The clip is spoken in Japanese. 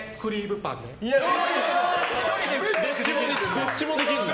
どっちもできるんだ！